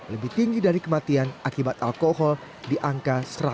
lebih tinggi dari kematian akibat alkohol di angka seratus ribu orang